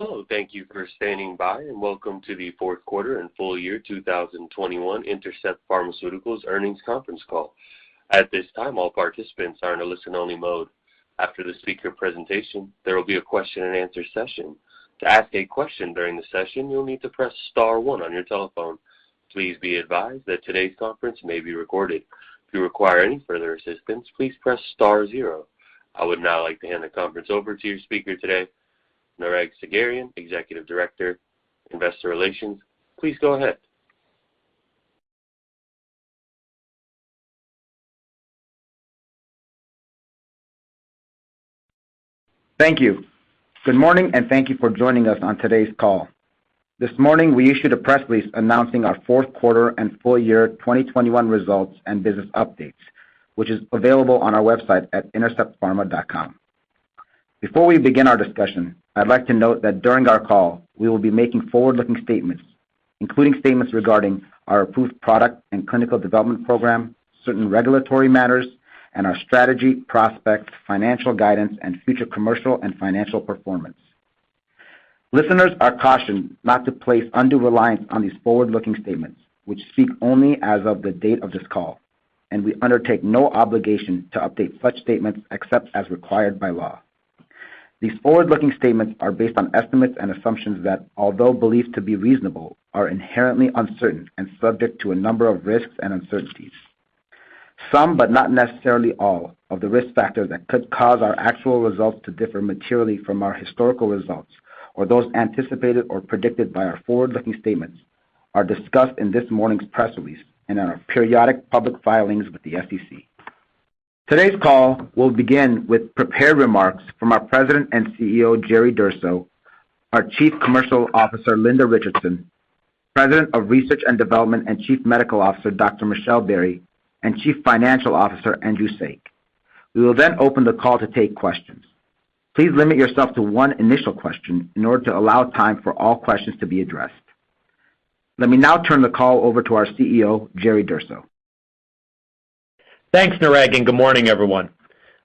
Hello. Thank you for standing by, and welcome to the fourth quarter and full year 2021 Intercept Pharmaceuticals earnings conference call. At this time, all participants are in a listen-only mode. After the speaker presentation, there will be a question-and-answer session. To ask a question during the session, you'll need to press star one on your telephone. Please be advised that today's conference may be recorded. If you require any further assistance, please press star zero. I would now like to hand the conference over to your speaker today, Nareg Sagherian, Executive Director, Investor Relations. Please go ahead. Thank you. Good morning, and thank you for joining us on today's call. This morning, we issued a press release announcing our fourth quarter and full year 2021 results and business updates, which is available on our website at interceptpharma.com. Before we begin our discussion, I'd like to note that during our call, we will be making forward-looking statements, including statements regarding our approved product and clinical development program, certain regulatory matters, and our strategy, prospects, financial guidance, and future commercial and financial performance. Listeners are cautioned not to place undue reliance on these forward-looking statements, which speak only as of the date of this call, and we undertake no obligation to update such statements except as required by law. These forward-looking statements are based on estimates and assumptions that, although believed to be reasonable, are inherently uncertain and subject to a number of risks and uncertainties. Some, but not necessarily all, of the risk factors that could cause our actual results to differ materially from our historical results or those anticipated or predicted by our forward-looking statements are discussed in this morning's press release and in our periodic public filings with the SEC. Today's call will begin with prepared remarks from our President and CEO, Jerry Durso, our Chief Commercial Officer, Linda Richardson, President of Research and Development and Chief Medical Officer, Dr. Michelle Berrey, and Chief Financial Officer, Andrew Saik. We will then open the call to take questions. Please limit yourself to one initial question in order to allow time for all questions to be addressed. Let me now turn the call over to our CEO, Jerry Durso. Thanks, Nareg, and good morning, everyone.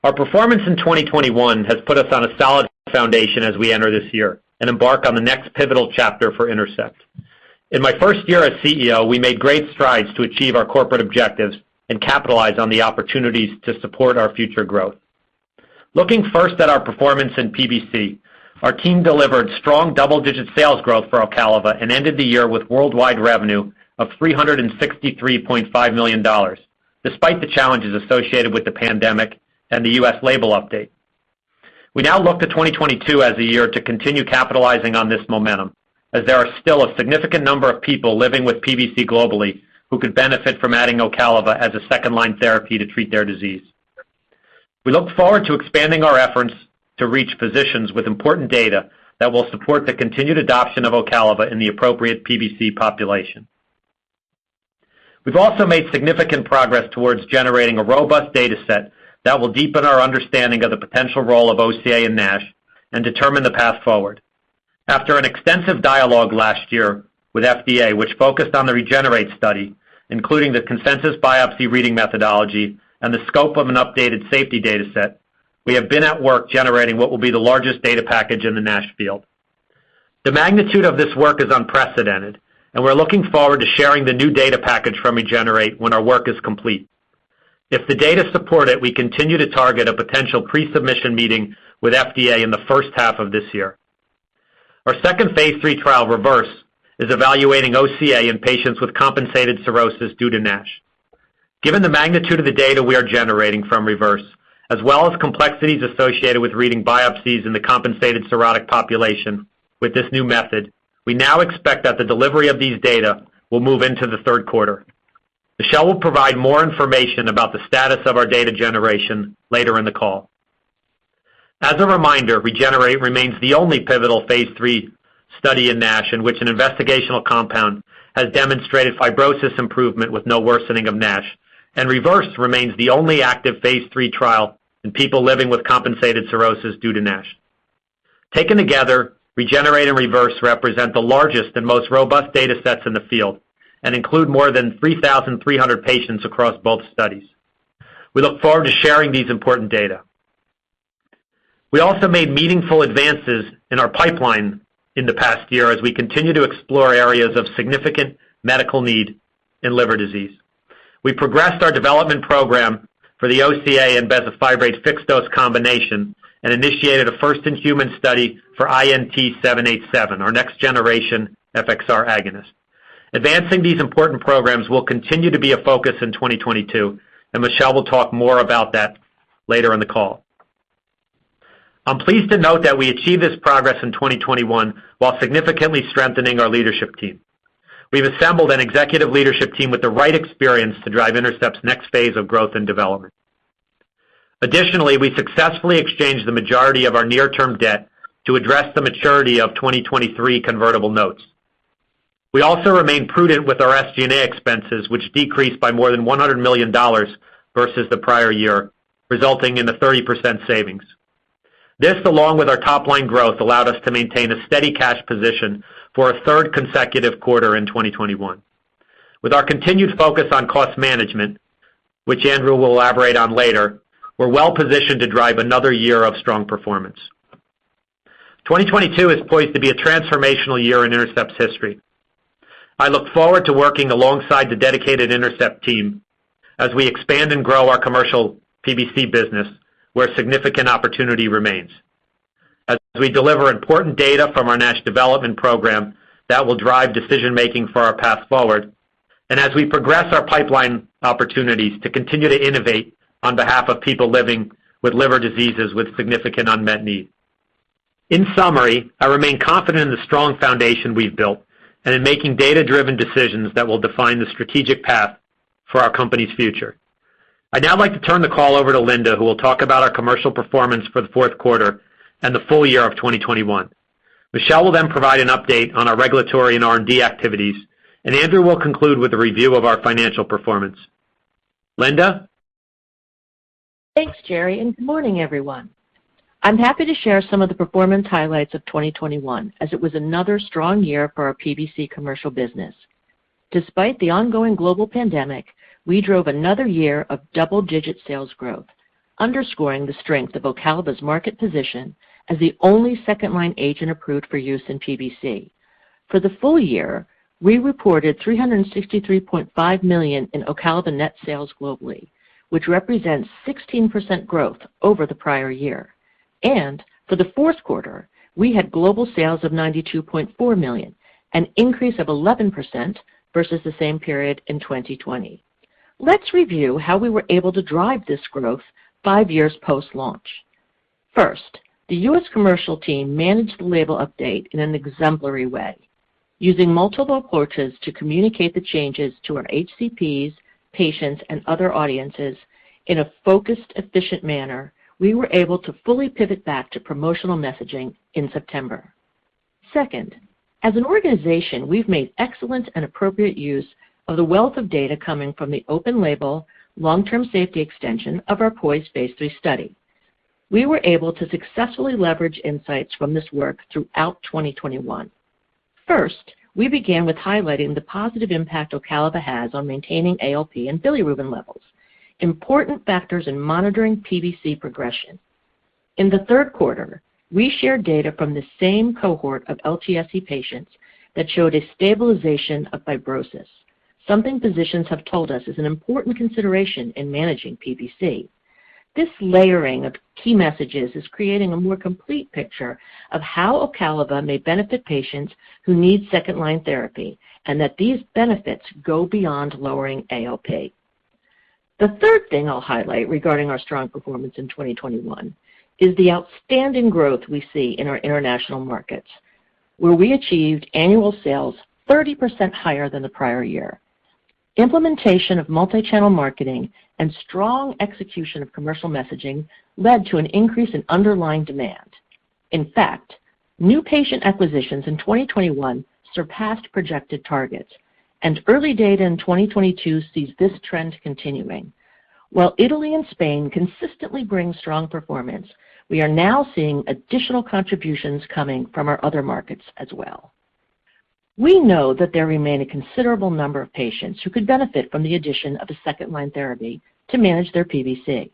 Our performance in 2021 has put us on a solid foundation as we enter this year and embark on the next pivotal chapter for Intercept. In my first year as CEO, we made great strides to achieve our corporate objectives and capitalize on the opportunities to support our future growth. Looking first at our performance in PBC, our team delivered strong double-digit sales growth for Ocaliva and ended the year with worldwide revenue of $363.5 million, despite the challenges associated with the pandemic and the U.S. label update. We now look to 2022 as a year to continue capitalizing on this momentum, as there are still a significant number of people living with PBC globally who could benefit from adding Ocaliva as a second-line therapy to treat their disease. We look forward to expanding our efforts to reach physicians with important data that will support the continued adoption of Ocaliva in the appropriate PBC population. We've also made significant progress towards generating a robust data set that will deepen our understanding of the potential role of OCA in NASH and determine the path forward. After an extensive dialogue last year with FDA, which focused on the REGENERATE study, including the consensus biopsy reading methodology and the scope of an updated safety data set, we have been at work generating what will be the largest data package in the NASH field. The magnitude of this work is unprecedented, and we're looking forward to sharing the new data package from REGENERATE when our work is complete. If the data support it, we continue to target a potential pre-submission meeting with FDA in the first half of this year. Our second phase III trial, REVERSE, is evaluating OCA in patients with compensated cirrhosis due to NASH. Given the magnitude of the data we are generating from REVERSE, as well as complexities associated with reading biopsies in the compensated cirrhotic population with this new method, we now expect that the delivery of these data will move into the third quarter. Michelle will provide more information about the status of our data generation later in the call. As a reminder, REGENERATE remains the only pivotal phase III study in NASH in which an investigational compound has demonstrated fibrosis improvement with no worsening of NASH, and REVERSE remains the only active phase III trial in people living with compensated cirrhosis due to NASH. Taken together, REGENERATE and REVERSE represent the largest and most robust data sets in the field and include more than 3,300 patients across both studies. We look forward to sharing these important data. We also made meaningful advances in our pipeline in the past year as we continue to explore areas of significant medical need in liver disease. We progressed our development program for the OCA and bezafibrate fixed-dose combination and initiated a first-in-human study for INT-787, our next-generation FXR agonist. Advancing these important programs will continue to be a focus in 2022, and Michelle will talk more about that later in the call. I'm pleased to note that we achieved this progress in 2021 while significantly strengthening our leadership team. We've assembled an executive leadership team with the right experience to drive Intercept's next phase of growth and development. Additionally, we successfully exchanged the majority of our near-term debt to address the maturity of 2023 convertible notes. We also remain prudent with our SG&A expenses, which decreased by more than $100 million versus the prior year, resulting in a 30% savings. This, along with our top-line growth, allowed us to maintain a steady cash position for a third consecutive quarter in 2021. With our continued focus on cost management, which Andrew will elaborate on later, we're well-positioned to drive another year of strong performance. 2022 is poised to be a transformational year in Intercept's history. I look forward to working alongside the dedicated Intercept team as we expand and grow our commercial PBC business where significant opportunity remains. As we deliver important data from our NASH development program that will drive decision-making for our path forward, and as we progress our pipeline opportunities to continue to innovate on behalf of people living with liver diseases with significant unmet need. In summary, I remain confident in the strong foundation we've built and in making data-driven decisions that will define the strategic path for our company's future. I'd now like to turn the call over to Linda, who will talk about our commercial performance for the fourth quarter and the full year of 2021. Michelle will then provide an update on our regulatory and R&D activities, and Andrew will conclude with a review of our financial performance. Linda? Thanks, Jerry, and good morning, everyone. I'm happy to share some of the performance highlights of 2021 as it was another strong year for our PBC commercial business. Despite the ongoing global pandemic, we drove another year of double-digit sales growth, underscoring the strength of Ocaliva's market position as the only second line agent approved for use in PBC. For the full year, we reported $363.5 million in Ocaliva net sales globally, which represents 16% growth over the prior year. For the fourth quarter, we had global sales of $92.4 million, an increase of 11% versus the same period in 2020. Let's review how we were able to drive this growth five years post-launch. First, the U.S. commercial team managed the label update in an exemplary way. Using multiple approaches to communicate the changes to our HCPs, patients, and other audiences in a focused, efficient manner, we were able to fully pivot back to promotional messaging in September. Second, as an organization, we've made excellent and appropriate use of the wealth of data coming from the open label long-term safety extension of our POISE phase III study. We were able to successfully leverage insights from this work throughout 2021. First, we began with highlighting the positive impact Ocaliva has on maintaining ALP and bilirubin levels, important factors in monitoring PBC progression. In the third quarter, we shared data from the same cohort of LTSE patients that showed a stabilization of fibrosis, something physicians have told us is an important consideration in managing PBC. This layering of key messages is creating a more complete picture of how Ocaliva may benefit patients who need second line therapy and that these benefits go beyond lowering ALP. The third thing I'll highlight regarding our strong performance in 2021 is the outstanding growth we see in our international markets, where we achieved annual sales 30% higher than the prior year. Implementation of multi-channel marketing and strong execution of commercial messaging led to an increase in underlying demand. In fact, new patient acquisitions in 2021 surpassed projected targets, and early data in 2022 sees this trend continuing. While Italy and Spain consistently bring strong performance, we are now seeing additional contributions coming from our other markets as well. We know that there remain a considerable number of patients who could benefit from the addition of a second line therapy to manage their PBC.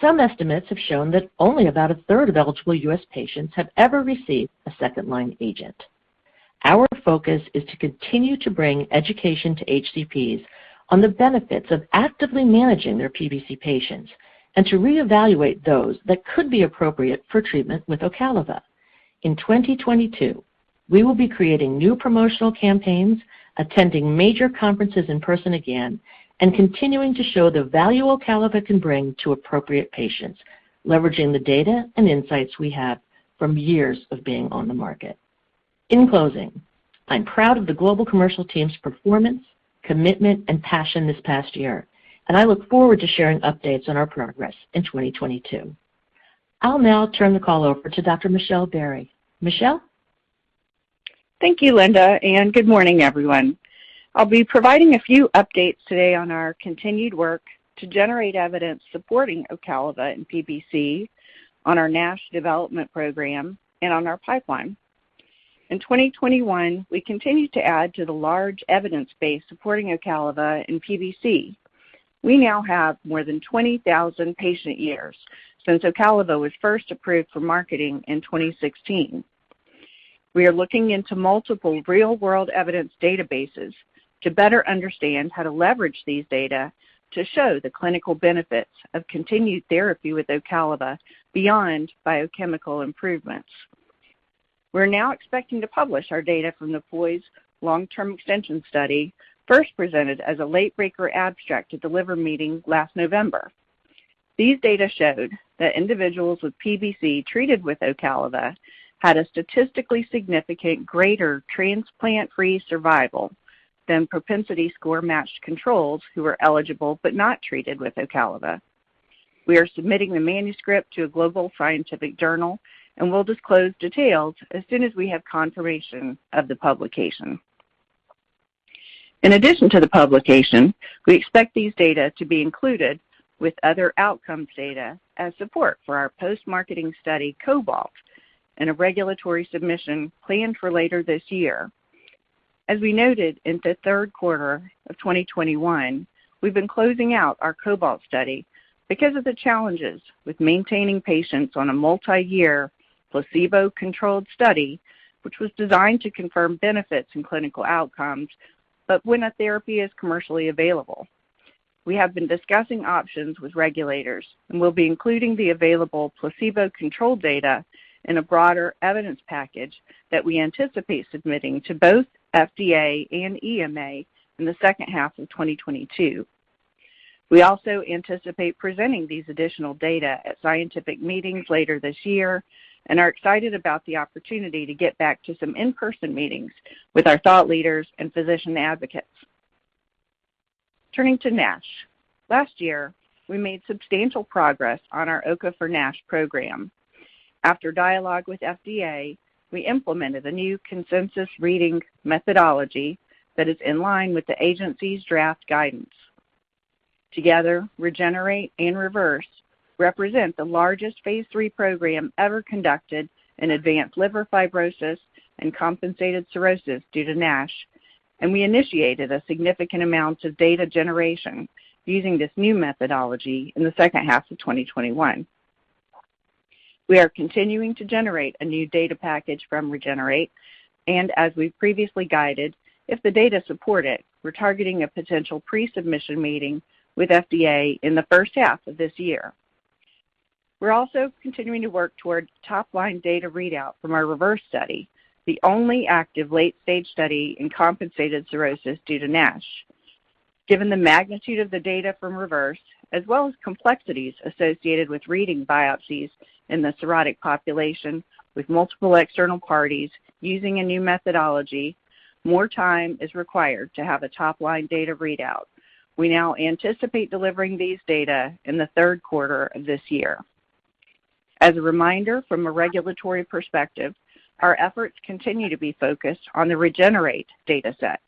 Some estimates have shown that only about a third of eligible U.S. patients have ever received a second line agent. Our focus is to continue to bring education to HCPs on the benefits of actively managing their PBC patients and to reevaluate those that could be appropriate for treatment with Ocaliva. In 2022, we will be creating new promotional campaigns, attending major conferences in person again, and continuing to show the value Ocaliva can bring to appropriate patients, leveraging the data and insights we have from years of being on the market. In closing, I'm proud of the global commercial team's performance, commitment, and passion this past year, and I look forward to sharing updates on our progress in 2022. I'll now turn the call over to Dr. Michelle Berrey. Michelle? Thank you, Linda, and good morning, everyone. I'll be providing a few updates today on our continued work to generate evidence supporting Ocaliva in PBC on our NASH development program and on our pipeline. In 2021, we continued to add to the large evidence base supporting Ocaliva in PBC. We now have more than 20,000 patient years since Ocaliva was first approved for marketing in 2016. We are looking into multiple real-world evidence databases to better understand how to leverage these data to show the clinical benefits of continued therapy with Ocaliva beyond biochemical improvements. We're now expecting to publish our data from the POISE long-term extension study, first presented as a late-breaker abstract at The Liver Meeting last November. These data showed that individuals with PBC treated with Ocaliva had a statistically significant greater transplant-free survival than propensity score-matched controls who were eligible but not treated with Ocaliva. We are submitting the manuscript to a global scientific journal, and we'll disclose details as soon as we have confirmation of the publication. In addition to the publication, we expect these data to be included with other outcomes data as support for our post-marketing study, COBALT. A regulatory submission planned for later this year. As we noted in the third quarter of 2021, we've been closing out our COBALT study because of the challenges with maintaining patients on a multi-year placebo-controlled study, which was designed to confirm benefits in clinical outcomes, but when a therapy is commercially available. We have been discussing options with regulators, and we'll be including the available placebo-controlled data in a broader evidence package that we anticipate submitting to both FDA and EMA in the second half of 2022. We also anticipate presenting these additional data at scientific meetings later this year and are excited about the opportunity to get back to some in-person meetings with our thought leaders and physician advocates. Turning to NASH. Last year, we made substantial progress on our OCA for NASH program. After dialogue with FDA, we implemented a new consensus reading methodology that is in line with the agency's draft guidance. Together, REGENERATE and REVERSE represent the largest phase III program ever conducted in advanced liver fibrosis and compensated cirrhosis due to NASH, and we initiated a significant amount of data generation using this new methodology in the second half of 2021. We are continuing to generate a new data package from REGENERATE, and as we've previously guided, if the data support it, we're targeting a potential pre-submission meeting with FDA in the first half of this year. We're also continuing to work toward top-line data readout from our REVERSE study, the only active late-stage study in compensated cirrhosis due to NASH. Given the magnitude of the data from REVERSE, as well as complexities associated with reading biopsies in the cirrhotic population with multiple external parties using a new methodology, more time is required to have a top-line data readout. We now anticipate delivering these data in the third quarter of this year. As a reminder, from a regulatory perspective, our efforts continue to be focused on the REGENERATE dataset.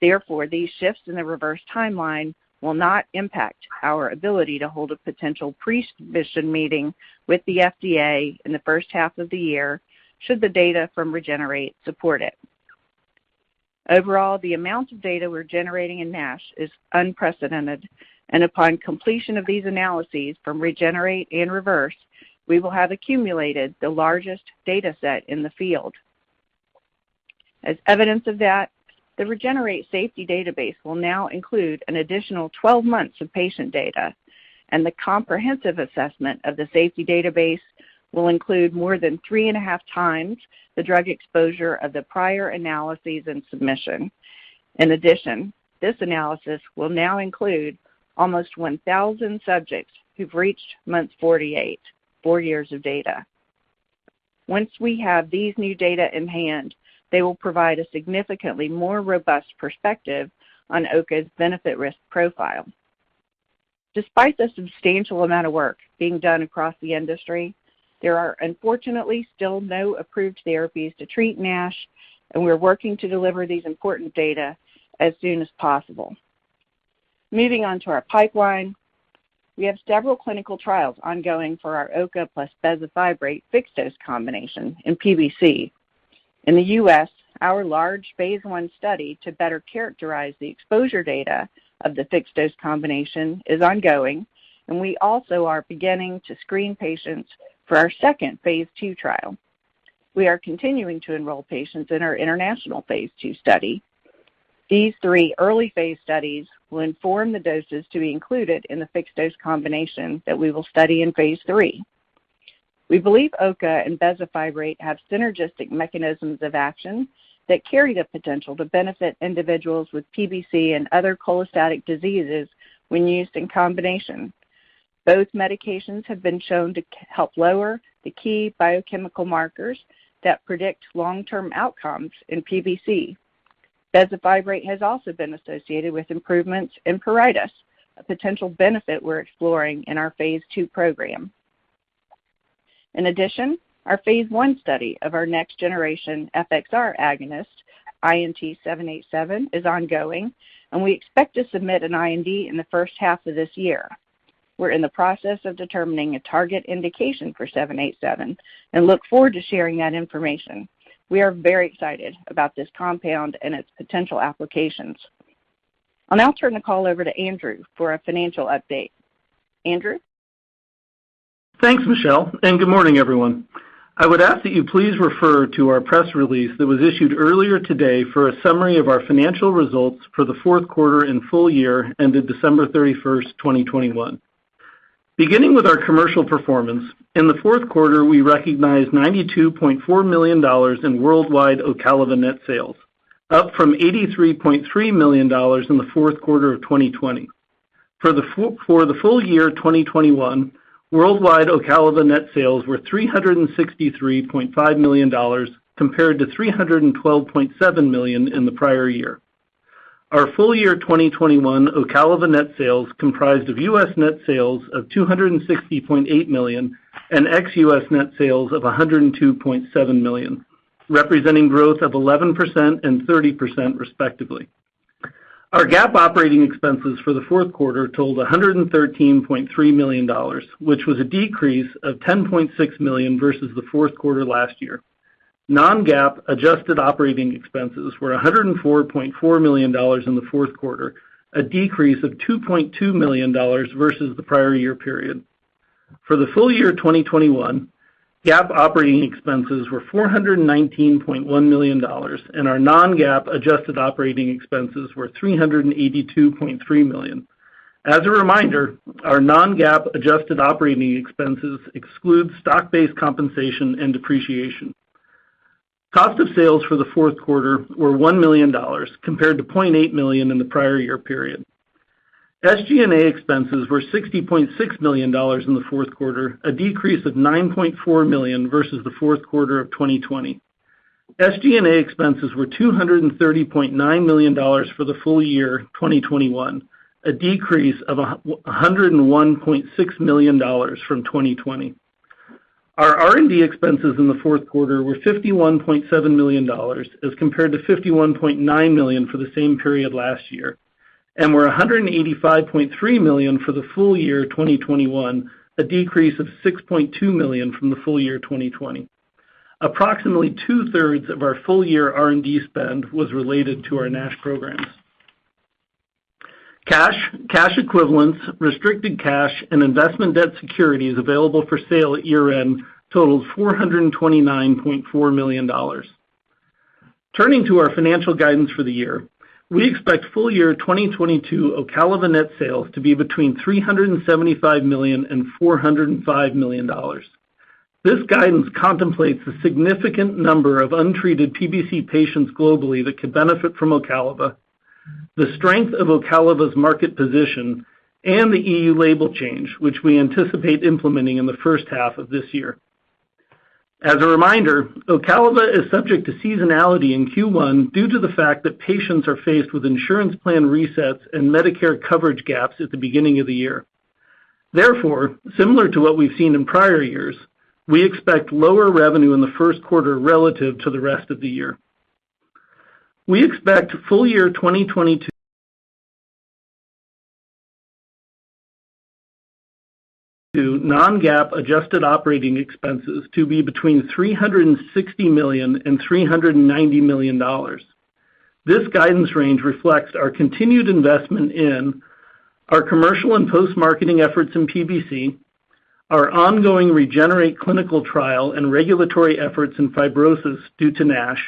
Therefore, these shifts in the REVERSE timeline will not impact our ability to hold a potential pre-submission meeting with the FDA in the first half of the year should the data from REGENERATE support it. Overall, the amount of data we're generating in NASH is unprecedented, and upon completion of these analyses from REGENERATE and REVERSE, we will have accumulated the largest dataset in the field. As evidence of that, the REGENERATE safety database will now include an additional 12 months of patient data, and the comprehensive assessment of the safety database will include more than 3.5 times the drug exposure of the prior analyses and submission. In addition, this analysis will now include almost 1,000 subjects who've reached month 48, 4 years of data. Once we have these new data in hand, they will provide a significantly more robust perspective on OCA's benefit risk profile. Despite the substantial amount of work being done across the industry, there are unfortunately still no approved therapies to treat NASH, and we're working to deliver these important data as soon as possible. Moving on to our pipeline. We have several clinical trials ongoing for our OCA plus bezafibrate fixed-dose combination in PBC. In the U.S., our large phase I study to better characterize the exposure data of the fixed-dose combination is ongoing, and we also are beginning to screen patients for our second phase II trial. We are continuing to enroll patients in our international phase II study. These three early phase studies will inform the doses to be included in the fixed-dose combination that we will study in phase III. We believe OCA and bezafibrate have synergistic mechanisms of action that carry the potential to benefit individuals with PBC and other cholestatic diseases when used in combination. Both medications have been shown to help lower the key biochemical markers that predict long-term outcomes in PBC. Bezafibrate has also been associated with improvements in pruritus, a potential benefit we're exploring in our phase II program. In addition, our phase I study of our next generation FXR agonist, INT-787, is ongoing, and we expect to submit an IND in the first half of this year. We're in the process of determining a target indication for 787 and look forward to sharing that information. We are very excited about this compound and its potential applications. I'll now turn the call over to Andrew for a financial update. Andrew? Thanks, Michelle, and good morning, everyone. I would ask that you please refer to our press release that was issued earlier today for a summary of our financial results for the fourth quarter and full year ended December 31, 2021. Beginning with our commercial performance, in the fourth quarter, we recognized $92.4 million in worldwide Ocaliva net sales, up from $83.3 million in the fourth quarter of 2020. For the full year 2021, worldwide Ocaliva net sales were $363.5 million compared to $312.7 million in the prior year. Our full year 2021 Ocaliva net sales comprised of U.S. net sales of $260.8 million and ex-U.S. net sales of $102.7 million, representing growth of 11% and 30% respectively. Our GAAP operating expenses for the fourth quarter totaled $113.3 million, which was a decrease of $10.6 million versus the fourth quarter last year. Non-GAAP adjusted operating expenses were $104.4 million in the fourth quarter, a decrease of $2.2 million versus the prior year period. For the full year 2021, GAAP operating expenses were $419.1 million, and our non-GAAP adjusted operating expenses were $382.3 million. As a reminder, our non-GAAP adjusted operating expenses exclude stock-based compensation and depreciation. Cost of sales for the fourth quarter were $1 million compared to $0.8 million in the prior year period. SG&A expenses were $60.6 million in the fourth quarter, a decrease of $9.4 million versus the fourth quarter of 2020. SG&A expenses were $230.9 million for the full year 2021, a decrease of a $101.6 million dollars from 2020. Our R&D expenses in the fourth quarter were $51.7 million as compared to $51.9 million for the same period last year, and were $185.3 million for the full year 2021, a decrease of $6.2 million from the full year 2020. Approximately two-thirds of our full year R&D spend was related to our NASH programs. Cash, cash equivalents, restricted cash, and investment debt securities available for sale at year-end totaled $429.4 million. Turning to our financial guidance for the year. We expect full year 2022 Ocaliva net sales to be between $375 million and $405 million. This guidance contemplates a significant number of untreated PBC patients globally that could benefit from Ocaliva, the strength of Ocaliva's market position, and the E.U. label change, which we anticipate implementing in the first half of this year. As a reminder, Ocaliva is subject to seasonality in Q1 due to the fact that patients are faced with insurance plan resets and Medicare coverage gaps at the beginning of the year. Therefore, similar to what we've seen in prior years, we expect lower revenue in the first quarter relative to the rest of the year. We expect full year 2022 non-GAAP adjusted operating expenses to be between $360 million and $390 million. This guidance range reflects our continued investment in our commercial and post-marketing efforts in PBC, our ongoing REGENERATE clinical trial and regulatory efforts in fibrosis due to NASH,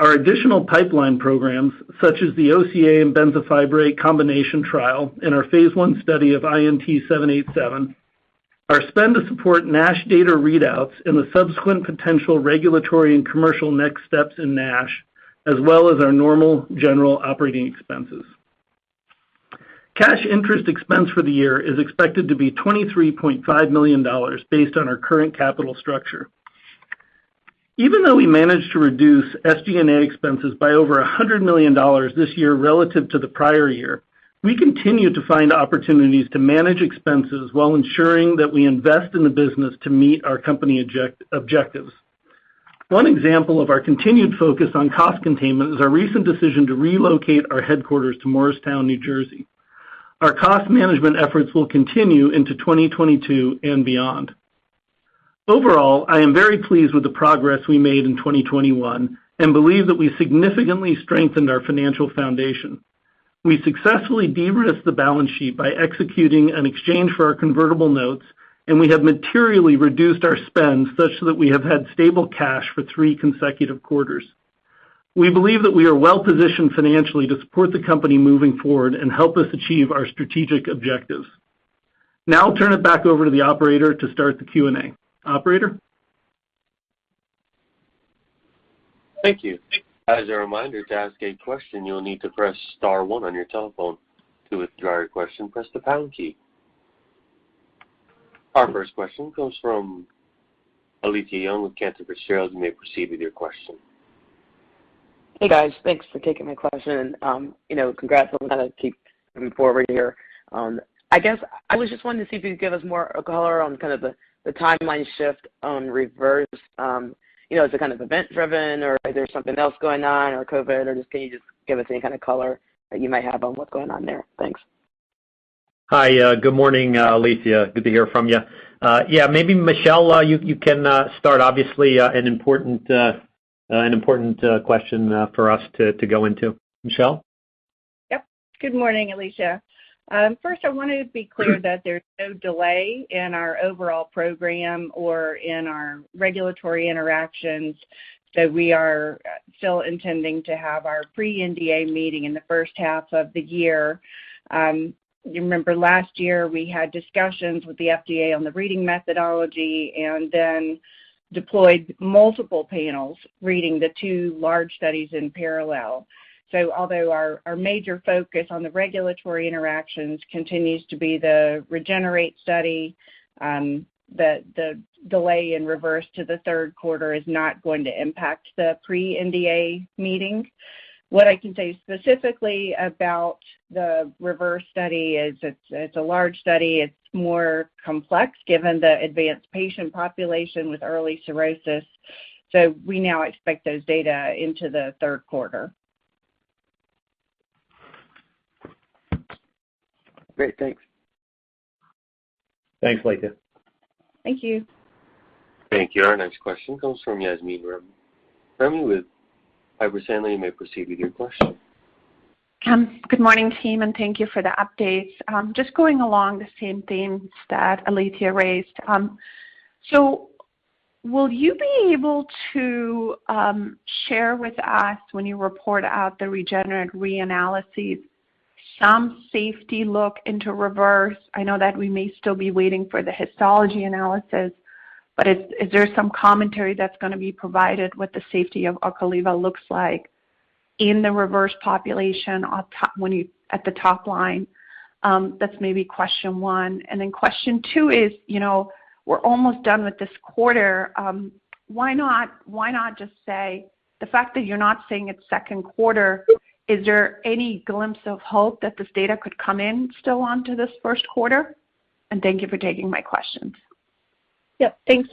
our additional pipeline programs, such as the OCA and bezafibrate combination trial, and our phase I study of INT-787, our spend to support NASH data readouts and the subsequent potential regulatory and commercial next steps in NASH, as well as our normal general operating expenses. Cash interest expense for the year is expected to be $23.5 million based on our current capital structure. Even though we managed to reduce SG&A expenses by over $100 million this year relative to the prior year, we continue to find opportunities to manage expenses while ensuring that we invest in the business to meet our company objectives. One example of our continued focus on cost containment is our recent decision to relocate our headquarters to Morristown, New Jersey. Our cost management efforts will continue into 2022 and beyond. Overall, I am very pleased with the progress we made in 2021 and believe that we significantly strengthened our financial foundation. We successfully de-risked the balance sheet by executing an exchange for our convertible notes, and we have materially reduced our spend such that we have had stable cash for three consecutive quarters. We believe that we are well-positioned financially to support the company moving forward and help us achieve our strategic objectives. Now I'll turn it back over to the operator to start the Q&A. Operator? Thank you. As a reminder, to ask a question, you will need to press star one on your telephone. To withdraw your question, press the pound key. Our first question comes from Alethia Young with Cantor Fitzgerald. You may proceed with your question. Hey, guys. Thanks for taking my question. You know, congrats on how you're keeping moving forward here. I guess I was just wanting to see if you could give us more color on kind of the timeline shift on REVERSE. You know, is it kind of event-driven or is there something else going on or COVID? Or can you give us any kind of color that you might have on what's going on there? Thanks. Hi. Good morning, Alethia. Good to hear from you. Yeah, maybe Michelle, you can start obviously an important question for us to go into. Michelle? Yep. Good morning, Alethia. First, I wanna be clear that there's no delay in our overall program or in our regulatory interactions. We are still intending to have our pre-NDA meeting in the first half of the year. You remember last year we had discussions with the FDA on the reading methodology and then deployed multiple panels reading the two large studies in parallel. Although our major focus on the regulatory interactions continues to be the REGENERATE study, the delay in REVERSE to the third quarter is not going to impact the pre-NDA meeting. What I can say specifically about the REVERSE study is, it's a large study. It's more complex given the advanced patient population with early cirrhosis. We now expect those data into the third quarter. Great. Thanks. Thanks, Alethia. Thank you. Thank you. Our next question comes from Yasmeen Rahimi with Piper Sandler. You may proceed with your question. Good morning, team, and thank you for the updates. Just going along the same themes that Alethia raised. Will you be able to share with us when you report out the REGENERATE re-analysis, some safety look into REVERSE? I know that we may still be waiting for the histology analysis, but is there some commentary that's gonna be provided what the safety of Ocaliva looks like in the REVERSE population at the top line? That's maybe question one. Question two is, you know, we're almost done with this quarter. Why not just say the fact that you're not saying it's second quarter, is there any glimpse of hope that this data could come in still onto this first quarter? Thank you for taking my questions. Yep. Thanks,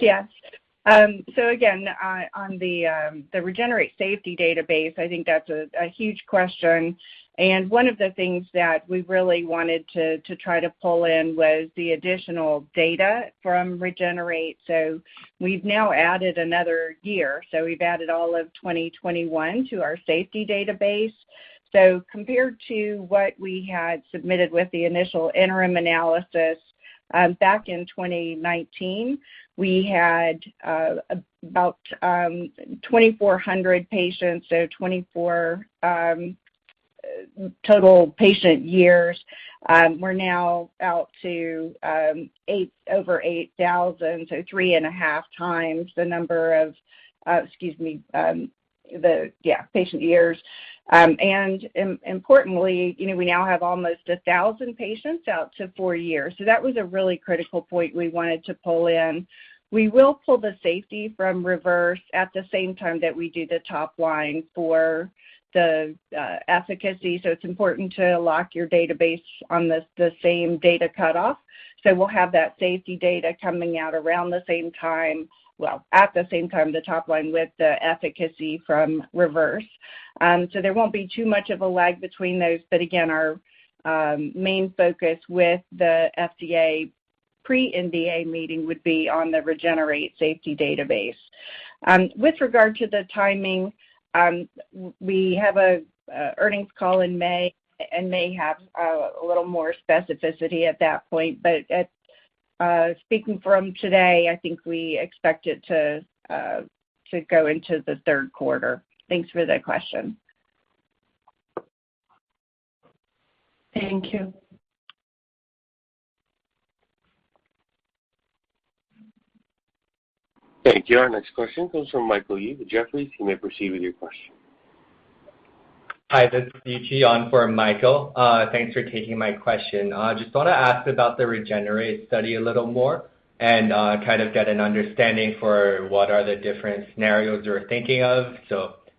Yas. Again, on the REGENERATE safety database, I think that's a huge question. One of the things that we really wanted to try to pull in was the additional data from REGENERATE. We've now added another year. We've added all of 2021 to our safety database. Compared to what we had submitted with the initial interim analysis, back in 2019, we had about 2,400 patients, so 2,400 total patient years. We're now out to over 8,000, so 3.5 times the number of patient years. Importantly, you know, we now have almost 1,000 patients out to 4 years. That was a really critical point we wanted to pull in. We will pull the safety from REVERSE at the same time that we do the top line for the efficacy, so it's important to lock your database on the same data cutoff. We'll have that safety data coming out around the same time, at the same time, the top line with the efficacy from REVERSE. There won't be too much of a lag between those. Again, our main focus with the FDA pre-NDA meeting would be on the REGENERATE safety database. With regard to the timing, we have a earnings call in May and may have a little more specificity at that point. Speaking from today, I think we expect it to go into the third quarter. Thanks for the question. Thank you. Thank you. Our next question comes from Michael Yee with Jefferies. You may proceed with your question. Hi, this is Yi Chen on for Michael. Thanks for taking my question. Just wanna ask about the REGENERATE study a little more and kind of get an understanding for what are the different scenarios you're thinking of.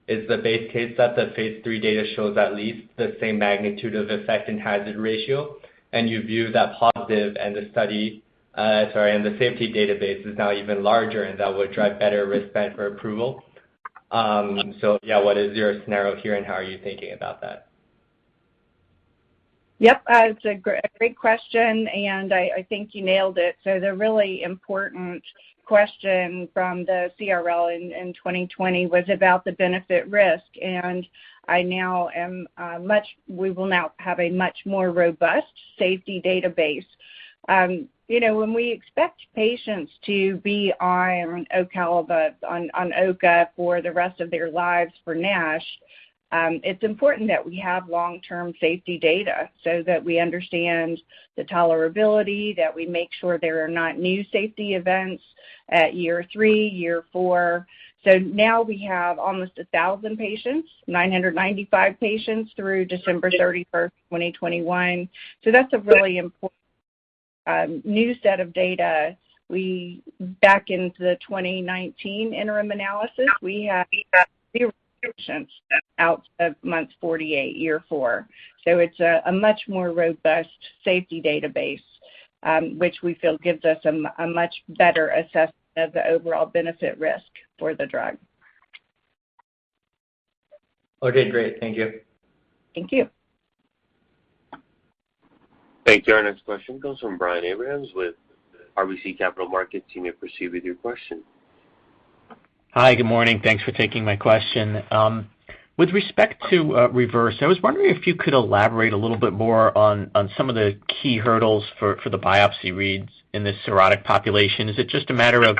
Is the base case that the phase III data shows at least the same magnitude of effect in hazard ratio, and you view that positive and the study and the safety database is now even larger, and that would drive better risk-benefit then for approval? Yeah, what is your scenario here, and how are you thinking about that? It's a great question, and I think you nailed it. The really important question from the CRL in 2020 was about the benefit risk, and now we will have a much more robust safety database. You know, when we expect patients to be on Ocaliva, on OCA for the rest of their lives for NASH, it's important that we have long-term safety data so that we understand the tolerability, that we make sure there are not new safety events at year three, year four. Now we have almost a thousand patients, 995 patients through December 31, 2021. That's a really important new set of data. Back in the 2019 interim analysis, we had patients out to month 48, year 4. It's a much more robust safety database, which we feel gives us a much better assessment of the overall benefit-risk for the drug. Okay, great. Thank you. Thank you. Thank you. Our next question comes from Brian Abrahams with RBC Capital Markets. You may proceed with your question. Hi. Good morning. Thanks for taking my question. With respect to REVERSE, I was wondering if you could elaborate a little bit more on some of the key hurdles for the biopsy reads in this cirrhotic population. Is it just a matter of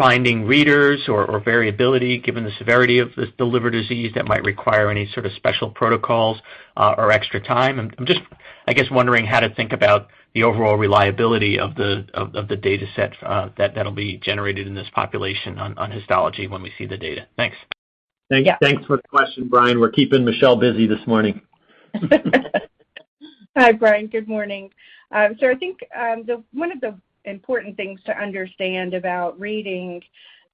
finding readers or variability given the severity of this liver disease that might require any sort of special protocols or extra time? I'm just, I guess, wondering how to think about the overall reliability of the dataset that'll be generated in this population on histology when we see the data. Thanks. Yeah. Thanks for the question, Brian. We're keeping Michelle busy this morning. Hi, Brian. Good morning. I think one of the important things to understand about reading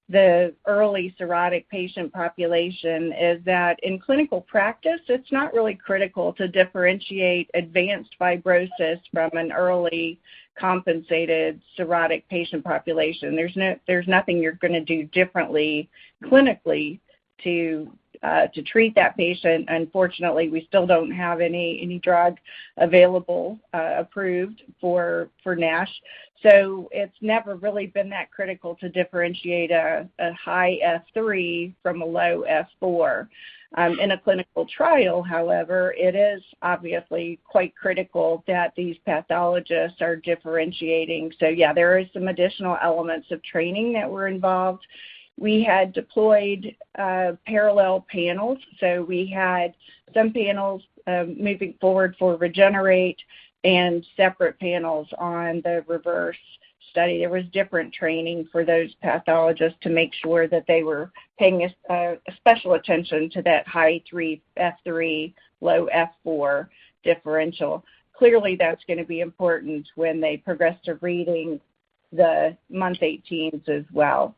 the early cirrhotic patient population is that in clinical practice, it's not really critical to differentiate advanced fibrosis from an early compensated cirrhotic patient population. There's nothing you're gonna do differently clinically to treat that patient. Unfortunately, we still don't have any drug available, approved for NASH. It's never really been that critical to differentiate a high F3 from a low F4. In a clinical trial, however, it is obviously quite critical that these pathologists are differentiating. Yeah, there is some additional elements of training that were involved. We had deployed parallel panels. We had some panels moving forward for REGENERATE and separate panels on the REVERSE study. There was different training for those pathologists to make sure that they were paying special attention to that high F3, low F4 differential. Clearly, that's gonna be important when they progress to reading the month 18s as well.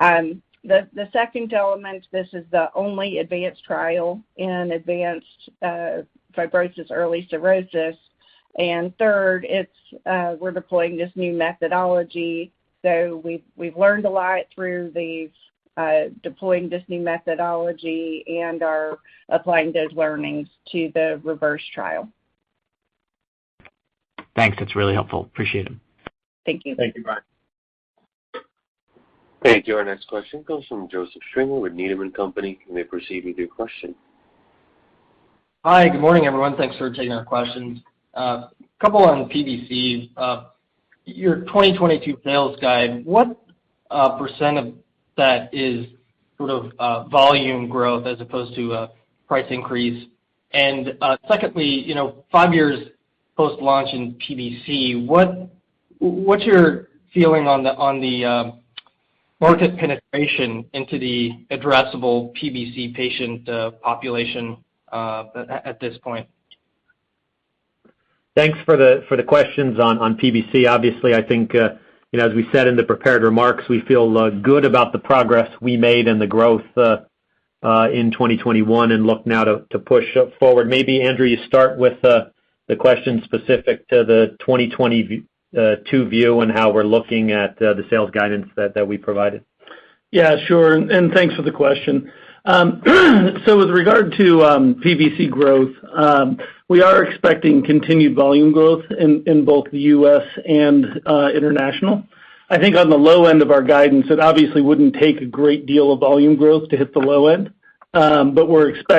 The second element, this is the only advanced trial in advanced fibrosis, early cirrhosis. Third, we're deploying this new methodology. We've learned a lot through these deploying this new methodology and are applying those learnings to the REVERSE trial. Thanks. That's really helpful. Appreciate it. Thank you. Thank you, Brian. Thank you. Our next question comes from Joseph Stringer with Needham & Company. You may proceed with your question. Hi, good morning, everyone. Thanks for taking our questions. Couple on PBCs. Your 2022 sales guide, what percent of that is sort of volume growth as opposed to a price increase? And secondly, you know, 5 years post-launch in PBC, what's your feeling on the market penetration into the addressable PBC patient population at this point? Thanks for the questions on PBC. Obviously, I think, you know, as we said in the prepared remarks, we feel good about the progress we made and the growth in 2021 and look now to push forward. Maybe, Andrew, you start with the question specific to the 2022 view and how we're looking at the sales guidance that we provided. Yeah, sure. Thanks for the question. With regard to PBC growth, we are expecting continued volume growth in both the U.S. and international. I think on the low end of our guidance, it obviously wouldn't take a great deal of volume growth to hit the low end. Obviously,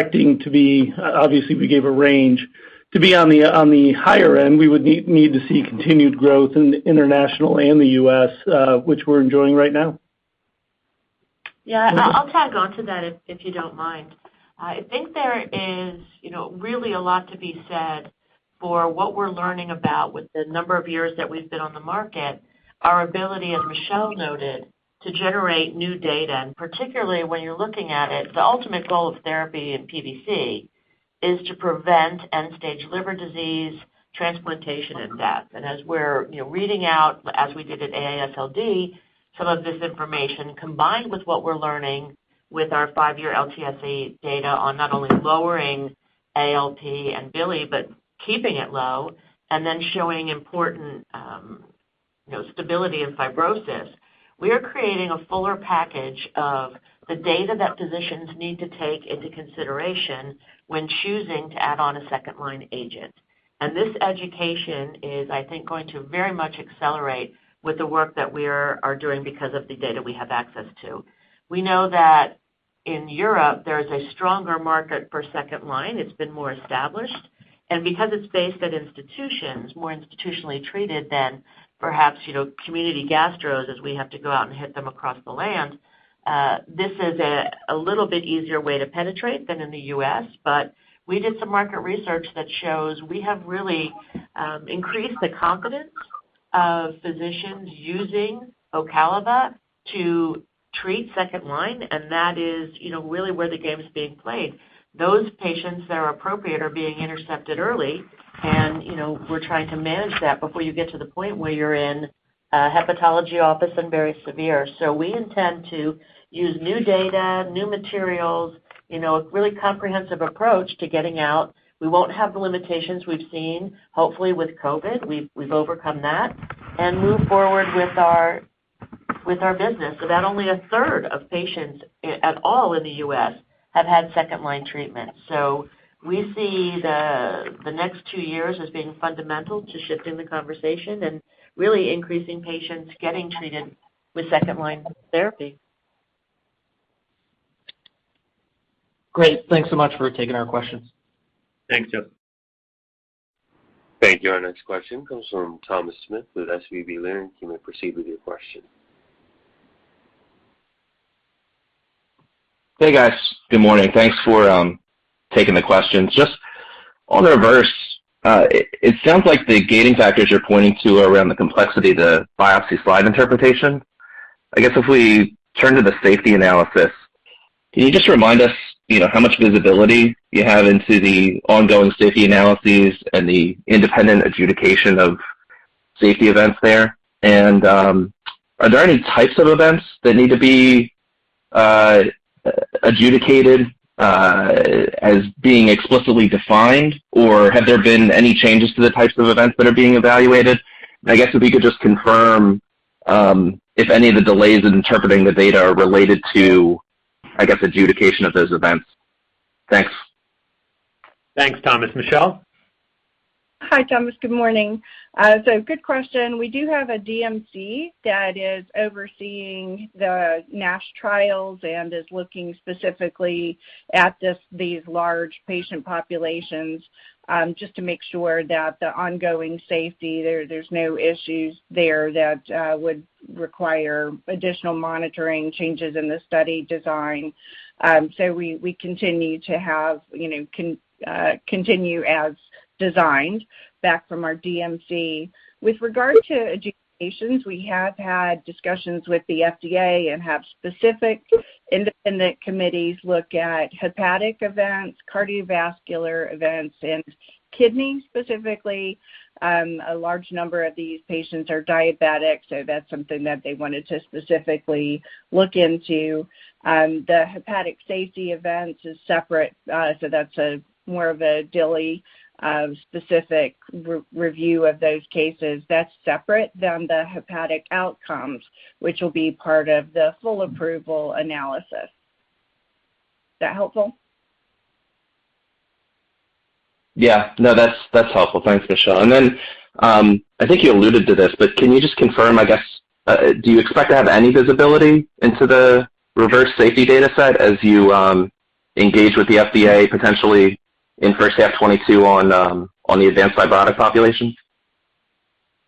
we gave a range. To be on the higher end, we would need to see continued growth in the international and the U.S., which we're enjoying right now. I'll tag onto that if you don't mind. I think there is, you know, really a lot to be said for what we're learning about with the number of years that we've been on the market, our ability, as Michelle noted, to generate new data. Particularly when you're looking at it, the ultimate goal of therapy in PBC is to prevent end-stage liver disease, transplantation, and death. As we're, you know, reading out, as we did at AASLD, some of this information, combined with what we're learning with our five-year LTSE data on not only lowering ALP and bili, but keeping it low and then showing important, you know, stability in fibrosis, we are creating a fuller package of the data that physicians need to take into consideration when choosing to add on a second line agent. This education is, I think, going to very much accelerate with the work that we are doing because of the data we have access to. We know that in Europe, there is a stronger market for second line. It's been more established. Because it's based at institutions, more institutionally treated than perhaps, you know, community gastros as we have to go out and hit them across the land, this is a little bit easier way to penetrate than in the U.S. We did some market research that shows we have really increased the confidence of physicians using Ocaliva to treat second line, and that is, you know, really where the game is being played. Those patients that are appropriate are being intercepted early, and, you know, we're trying to manage that before you get to the point where you're in a hepatology office and very severe. We intend to use new data, new materials, you know, a really comprehensive approach to getting out. We won't have the limitations we've seen, hopefully, with COVID. We've overcome that and move forward with our business. That only a third of patients at all in the U.S. have had second line treatment. We see the next two years as being fundamental to shifting the conversation and really increasing patients getting treated with second line therapy. Great. Thanks so much for taking our questions. Thanks, Joe. Thank you. Our next question comes from Thomas Smith with SVB Leerink. You may proceed with your question. Hey, guys. Good morning. Thanks for taking the questions. Just on REVERSE, it sounds like the gating factors you're pointing to around the complexity of the biopsy slide interpretation. I guess if we turn to the safety analysis, can you just remind us, you know, how much visibility you have into the ongoing safety analyses and the independent adjudication of safety events there? Are there any types of events that need to be adjudicated as being explicitly defined, or have there been any changes to the types of events that are being evaluated? I guess if you could just confirm if any of the delays in interpreting the data are related to, I guess, adjudication of those events. Thanks. Thanks, Thomas. Michelle? Hi, Thomas. Good morning. Good question. We do have a DMC that is overseeing the NASH trials and is looking specifically at these large patient populations, just to make sure that the ongoing safety, there's no issues there that would require additional monitoring changes in the study design. We continue to have, you know, continue as designed feedback from our DMC. With regard to adjudications, we have had discussions with the FDA and have specific independent committees look at hepatic events, cardiovascular events, and kidney specifically. A large number of these patients are diabetic, so that's something that they wanted to specifically look into. The hepatic safety events is separate, so that's more of a DILI specific re-review of those cases. That's separate than the hepatic outcomes, which will be part of the full approval analysis. Is that helpful? Yeah. No, that's helpful. Thanks, Michelle. I think you alluded to this, but can you just confirm, I guess, do you expect to have any visibility into the REVERSE safety data set as you engage with the FDA potentially in first half 2022 on the advanced fibrotic population?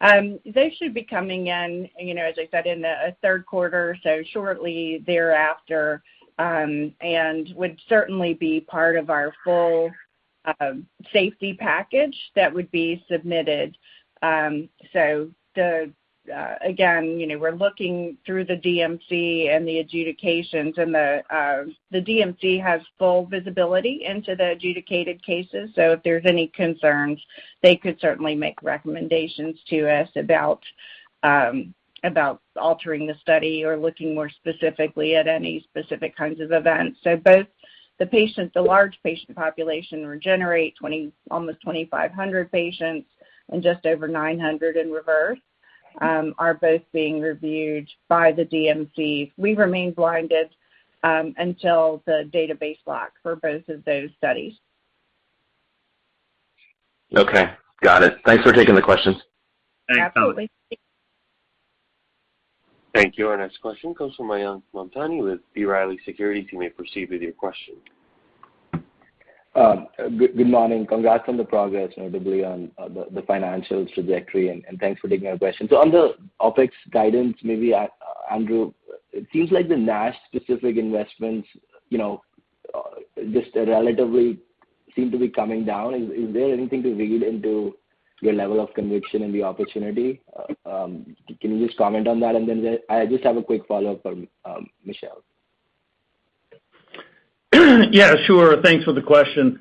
They should be coming in, you know, as I said, in the third quarter, so shortly thereafter, and would certainly be part of our full safety package that would be submitted. The again, you know, we're looking through the DMC and the adjudications, and the DMC has full visibility into the adjudicated cases. If there's any concerns, they could certainly make recommendations to us about altering the study or looking more specifically at any specific kinds of events. Both the patients, the large patient population REGENERATE almost 2,500 patients and just over 900 in REVERSE, are both being reviewed by the DMC. We remain blinded until the database lock for both of those studies. Okay. Got it. Thanks for taking the questions. Thanks, Thomas. Absolutely. Thank you. Our next question comes from Mayank Mamtani with B. Riley Securities. You may proceed with your question. Good morning. Congrats on the progress, notably on the financials trajectory, and thanks for taking my question. On the OpEx guidance, maybe Andrew, it seems like the NASH specific investments just relatively seem to be coming down. Is there anything to read into your level of conviction in the opportunity? Can you just comment on that? I just have a quick follow-up for Michelle. Yeah, sure. Thanks for the question.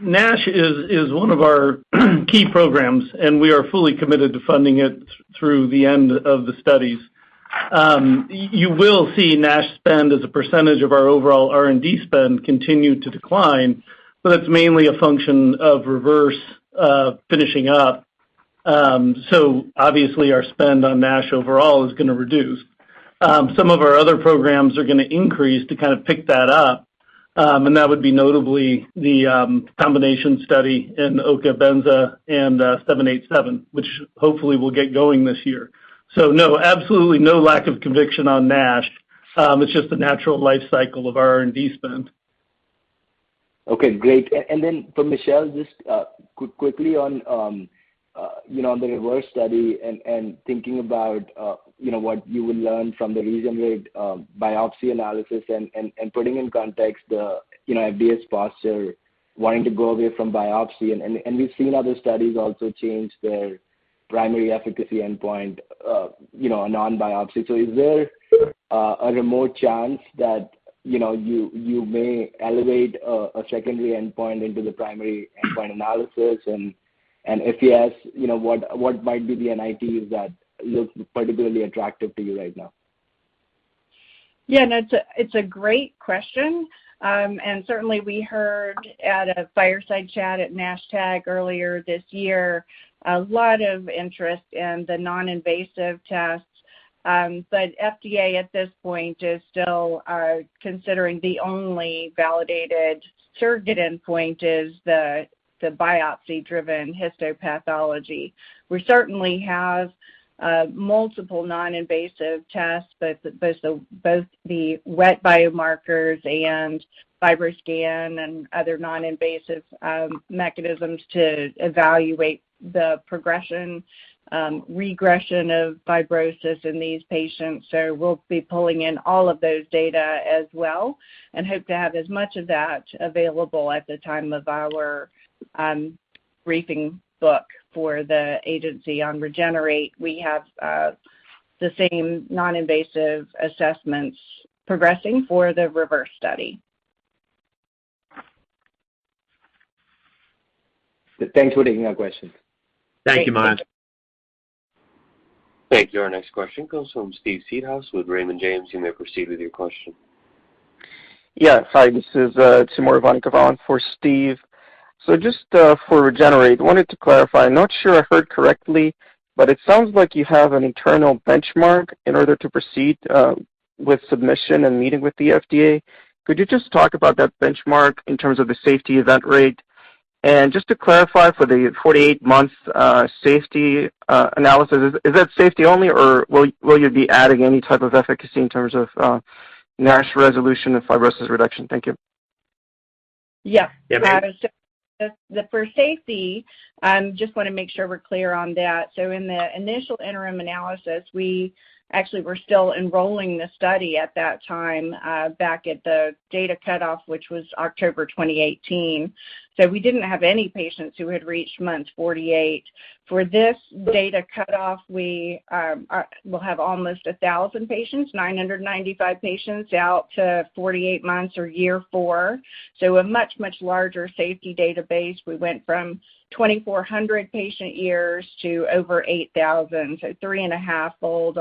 NASH is one of our key programs, and we are fully committed to funding it through the end of the studies. You will see NASH spend as a percentage of our overall R&D spend continue to decline, but it's mainly a function of REVERSE finishing up. Obviously our spend on NASH overall is gonna reduce. Some of our other programs are gonna increase to kind of pick that up, and that would be notably the combination study in OCA-bezafibrate and INT-787, which hopefully will get going this year. No, absolutely no lack of conviction on NASH. It's just the natural life cycle of our R&D spend. Okay, great. And then for Michelle, just quickly on, you know, on the REVERSE study and thinking about, you know, what you will learn from the REGENERATE biopsy analysis and putting in context the, you know, FDA's posture wanting to go away from biopsy. We've seen other studies also change their primary efficacy endpoint, you know, to a non-biopsy. So is there a remote chance that, you know, you may elevate a secondary endpoint into the primary endpoint analysis? If yes, you know, what might be the NITs that look particularly attractive to you right now? Yeah, no, it's a great question. Certainly we heard at a fireside chat at NASH-TAG earlier this year a lot of interest in the non-invasive tests. FDA at this point is still considering the only validated surrogate endpoint is the biopsy-driven histopathology. We certainly have multiple non-invasive tests, both the wet biomarkers and FibroScan and other non-invasive mechanisms to evaluate the progression, regression of fibrosis in these patients. We'll be pulling in all of those data as well and hope to have as much of that available at the time of our briefing book for the agency on REGENERATE. We have the same non-invasive assessments progressing for the REVERSE study. Thanks for taking our question. Thank you, Mayank. Thank you. Our next question comes from Steve Seedhouse with Raymond James. You may proceed with your question. Yeah. Hi, this is Timur Ivankov for Steve. Just for REGENERATE, wanted to clarify. I'm not sure I heard correctly, but it sounds like you have an internal benchmark in order to proceed with submission and meeting with the FDA. Could you just talk about that benchmark in terms of the safety event rate? And just to clarify for the 48-month safety analysis, is that safety only or will you be adding any type of efficacy in terms of NASH resolution and fibrosis reduction? Thank you. For safety, just wanna make sure we're clear on that. In the initial interim analysis, we actually were still enrolling the study at that time, back at the data cutoff, which was October 2018. We didn't have any patients who had reached month 48. For this data cutoff, we will have almost 1,000 patients, 995 patients out to 48 months or year four. A much larger safety database. We went from 2,400 patient years to over 8,000, almost 3.5-fold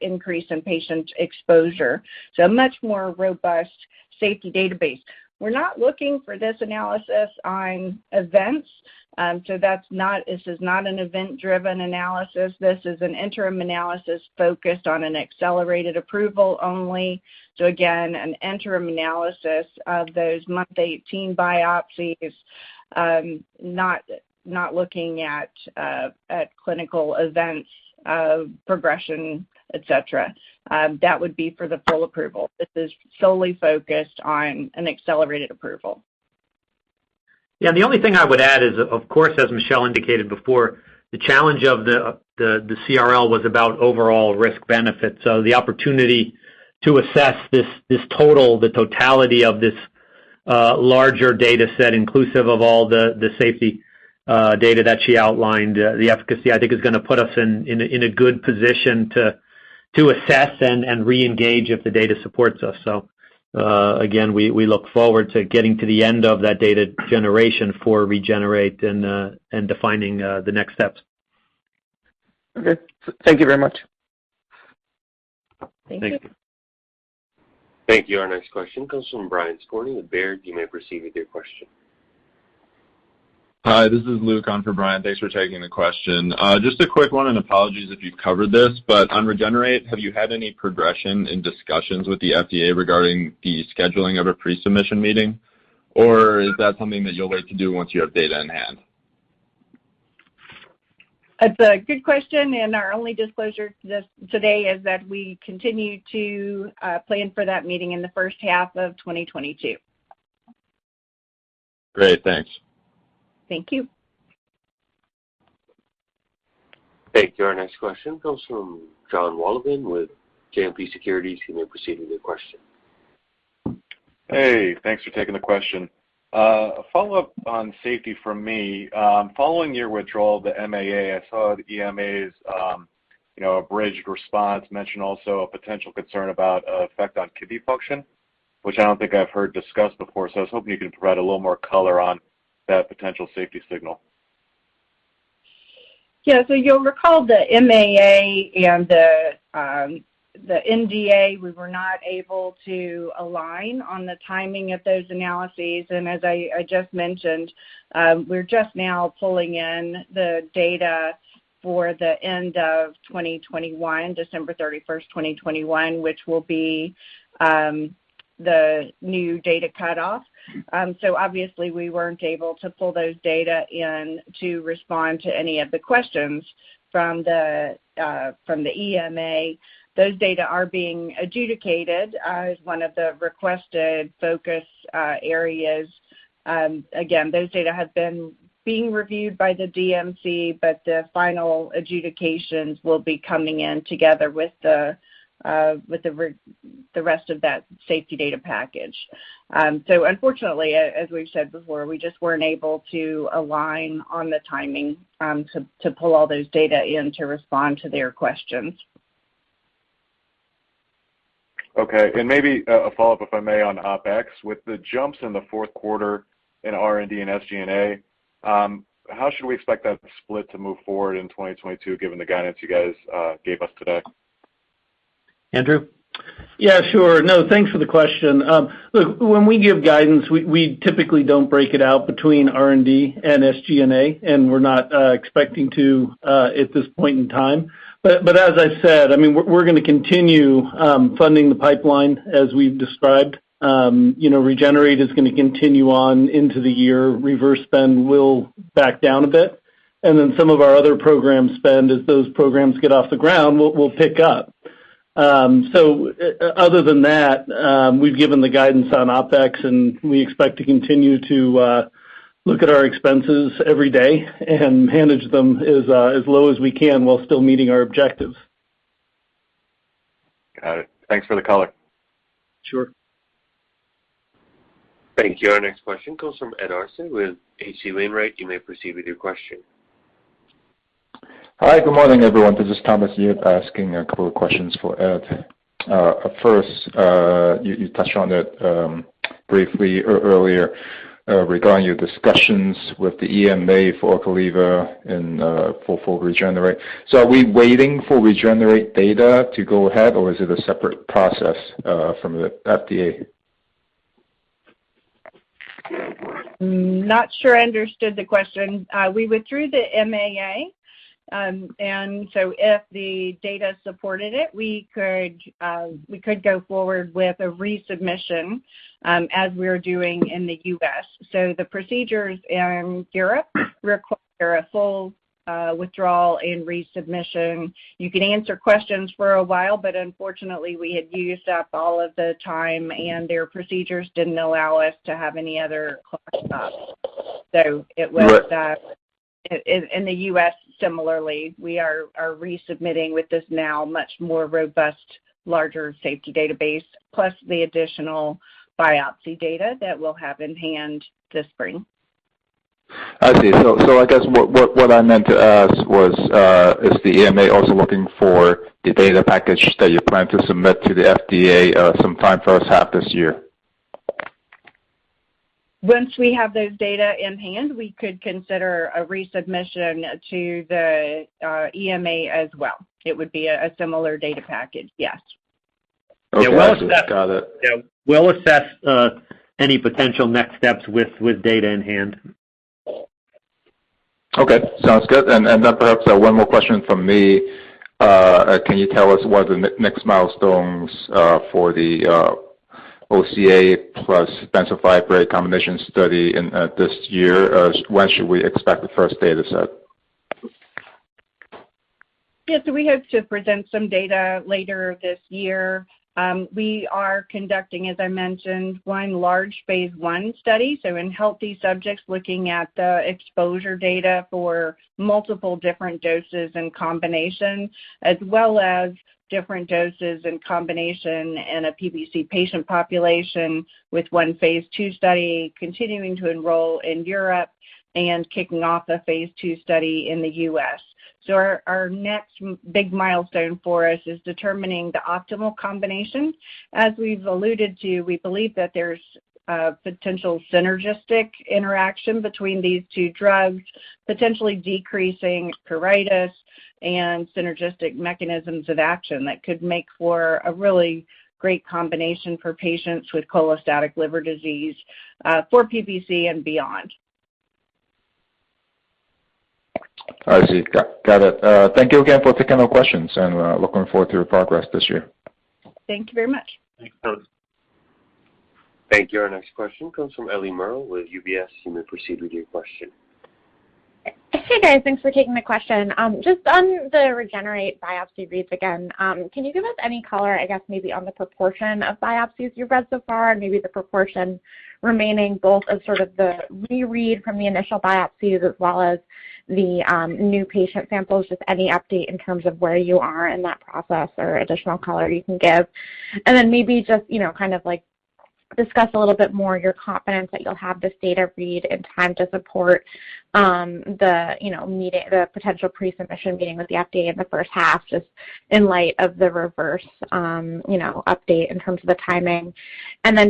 increase in patient exposure. A much more robust safety database. We're not looking for this analysis on events. That's not. This is not an event-driven analysis. This is an interim analysis focused on an accelerated approval only. An interim analysis of those month 18 biopsies, not looking at clinical events, progression, et cetera. That would be for the full approval. This is solely focused on an accelerated approval. Yeah. The only thing I would add is, of course, as Michelle indicated before, the challenge of the CRL was about overall risk benefits. The opportunity to assess this total, the totality of this larger data set inclusive of all the safety data that she outlined, the efficacy, I think, is gonna put us in a good position to assess and reengage if the data supports us. Again, we look forward to getting to the end of that data generation for REGENERATE and defining the next steps. Okay. Thank you very much. Thank you. Thank you. Thank you. Our next question comes from Brian Skorney with Baird. You may proceed with your question. Hi, this is Luke on for Brian. Thanks for taking the question. Just a quick one, and apologies if you've covered this. On REGENERATE, have you had any progression in discussions with the FDA regarding the scheduling of a pre-submission meeting? Or is that something that you'll wait to do once you have data in-hand? That's a good question, and our only disclosure to this today is that we continue to plan for that meeting in the first half of 2022. Great. Thanks. Thank you. Thank you. Our next question comes from Jon Wolleben with JMP Securities. You may proceed with your question. Hey. Thanks for taking the question. A follow-up on safety from me. Following your withdrawal of the MAA, I saw the EMA's, you know, abridged response mention also a potential concern about an effect on kidney function, which I don't think I've heard discussed before. So I was hoping you could provide a little more color on that potential safety signal. Yeah. You'll recall the MAA and the NDA, we were not able to align on the timing of those analyses. As I just mentioned, we're just now pulling in the data for the end of 2021, December 31, 2021, which will be the new data cutoff. Obviously we weren't able to pull those data in to respond to any of the questions from the EMA. Those data are being adjudicated as one of the requested focus areas. Again, those data have been being reviewed by the DMC, but the final adjudications will be coming in together with the rest of that safety data package. Unfortunately, as we've said before, we just weren't able to align on the timing to pull all those data in to respond to their questions. Okay. Maybe a follow-up, if I may, on OpEx. With the jumps in the fourth quarter in R&D and SG&A, how should we expect that split to move forward in 2022 given the guidance you guys gave us today? Andrew? Yeah, sure. No, thanks for the question. Look, when we give guidance, we typically don't break it out between R&D and SG&A, and we're not expecting to at this point in time. As I said, I mean, we're gonna continue funding the pipeline as we've described. You know, REGENERATE is gonna continue on into the year. REVERSE spend will back down a bit. Then some of our other program spend, as those programs get off the ground, will pick up. Other than that, we've given the guidance on OpEx, and we expect to continue to look at our expenses every day and manage them as low as we can while still meeting our objectives. Got it. Thanks for the color. Sure. Thank you. Our next question comes from Ed Arce with H.C. Wainwright. You may proceed with your question. Hi, good morning, everyone. This is Thomas Yip asking a couple of questions for Ed. First, you touched on it briefly earlier regarding your discussions with the EMA for Ocaliva and for full REGENERATE. Are we waiting for REGENERATE data to go ahead, or is it a separate process from the FDA? Not sure I understood the question. We went through the MAA. If the data supported it, we could go forward with a resubmission, as we're doing in the U.S. The procedures in Europe require a full withdrawal and resubmission. You can answer questions for a while, but unfortunately, we had used up all of the time, and their procedures didn't allow us to have any other clock stops. It was that. In the U.S. similarly, we are resubmitting with this now much more robust, larger safety database, plus the additional biopsy data that we'll have in hand this spring. I see. I guess what I meant to ask was, is the EMA also looking for the data package that you plan to submit to the FDA, some time first half this year? Once we have those data in hand, we could consider a resubmission to the EMA as well. It would be a similar data package, yes. Okay. Got it. We'll assess any potential next steps with data in hand. Okay. Sounds good. Perhaps one more question from me. Can you tell us what the next milestones for the OCA plus bezafibrate combination study in this year? When should we expect the first data set? Yeah. We hope to present some data later this year. We are conducting, as I mentioned, one large phase I study, so in healthy subjects looking at the exposure data for multiple different doses and combinations, as well as different doses in combination in a PBC patient population with one phase II study continuing to enroll in Europe and kicking off a phase II study in the U.S. Our next big milestone for us is determining the optimal combination. As we've alluded to, we believe that there's a potential synergistic interaction between these two drugs, potentially decreasing pruritus and synergistic mechanisms of action that could make for a really great combination for patients with cholestatic liver disease, for PBC and beyond. I see. Got it. Thank you again for taking our questions, and looking forward to your progress this year. Thank you very much. Thanks, Thomas. Thank you. Our next question comes from Ellie Merle with UBS. You may proceed with your question. Hey, guys. Thanks for taking the question. Just on the REGENERATE biopsy reads again, can you give us any color, I guess maybe on the proportion of biopsies you've read so far, maybe the proportion remaining both as sort of the reread from the initial biopsies as well as the new patient samples, just any update in terms of where you are in that process or additional color you can give. Then maybe just, you know, kind of like discuss a little bit more your confidence that you'll have this data read in time to support the you know meeting, the potential pre-submission meeting with the FDA in the first half, just in light of the REVERSE you know update in terms of the timing.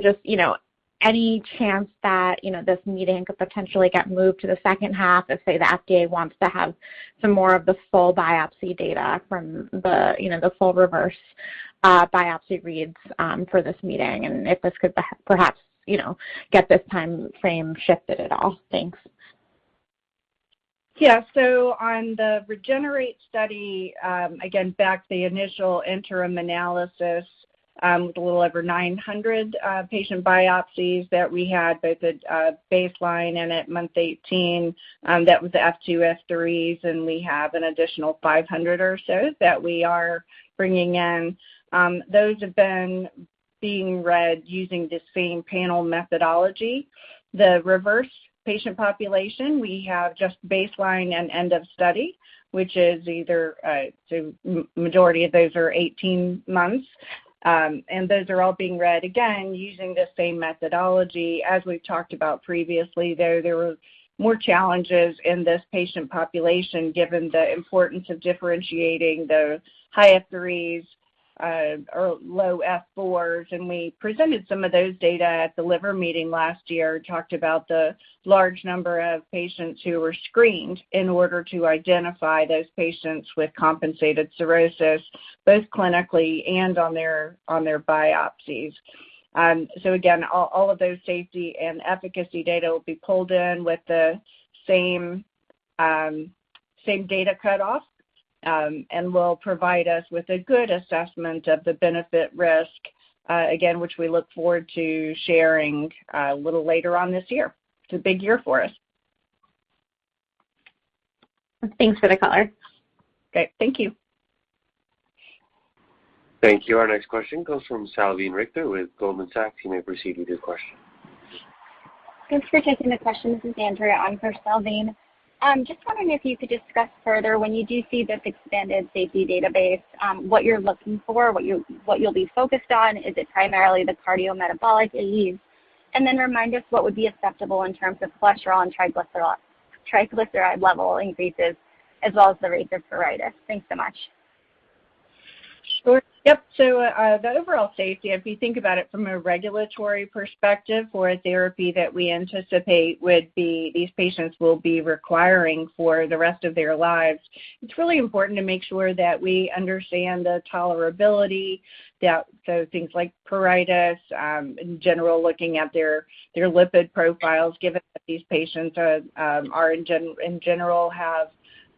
Just you know, any chance that, you know, this meeting could potentially get moved to the second half if, say, the FDA wants to have some more of the full biopsy data from the, you know, the full REVERSE biopsy reads for this meeting, and if this could perhaps, you know, get this timeframe shifted at all. Thanks. On the REGENERATE study, again, back to the initial interim analysis, with a little over 900 patient biopsies that we had both at baseline and at month 18, that was F2, F3s, and we have an additional 500 or so that we are bringing in. Those have been being read using the same panel methodology. The REVERSE patient population, we have just baseline and end of study, majority of those are 18 months, and those are all being read, again, using the same methodology. As we've talked about previously, though, there were more challenges in this patient population given the importance of differentiating those high F3s or low F4s. We presented some of those data at The Liver Meeting last year, talked about the large number of patients who were screened in order to identify those patients with compensated cirrhosis, both clinically and on their biopsies. Again, all of those safety and efficacy data will be pulled in with the same data cutoff, and will provide us with a good assessment of the benefit risk, again, which we look forward to sharing, a little later on this year. It's a big year for us. Thanks for the color. Great. Thank you. Thank you. Our next question comes from Salveen Richter with Goldman Sachs. You may proceed with your question. Thanks for taking the question. This is Andrea on for Salveen. Just wondering if you could discuss further when you do see this expanded safety database, what you're looking for, what you'll be focused on. Is it primarily the cardiometabolic AEs? Remind us what would be acceptable in terms of cholesterol and triglyceride level increases as well as the rates of pruritus. Thanks so much. Sure. Yep. The overall safety, if you think about it from a regulatory perspective for a therapy that we anticipate would be these patients will be requiring for the rest of their lives, it's really important to make sure that we understand the tolerability, that things like pruritus in general, looking at their lipid profiles, given that these patients are in general have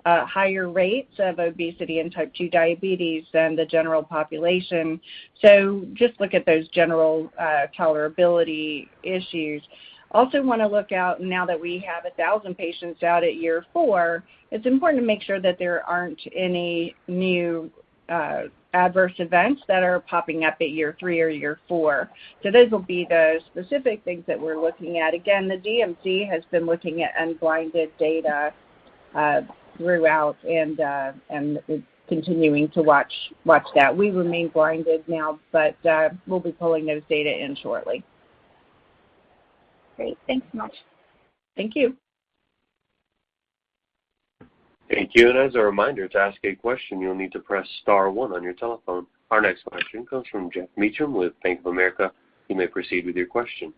higher rates of obesity and type 2 diabetes than the general population. Just look at those general tolerability issues. Also wanna look out now that we have 1,000 patients out at year 4, it's important to make sure that there aren't any new adverse events that are popping up at year 3 or year 4. Those will be the specific things that we're looking at. Again, the DMC has been looking at unblinded data throughout and is continuing to watch that. We remain blinded now, but we'll be pulling those data in shortly. Great. Thanks so much. Thank you. Thank you. As a reminder, to ask a question, you'll need to press star one on your telephone. Our next question comes from Geoff Meacham with Bank of America. You may proceed with your question.